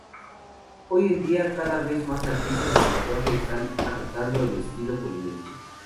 Hoy en día, cada vez más artistas del tatuaje están adoptando el estilo polinesio.